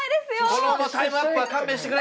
このままタイムアップは勘弁してくれ。